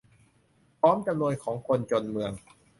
พร้อมจำนวนของคนจนเมือง